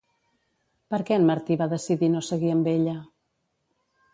Per què en Martí va decidir no seguir amb ella?